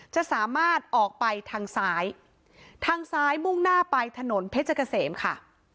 จะสามารถออกไปทางซ้ายทางซ้ายมุ่งหน้าไปถนนเพชรเกษมค่ะ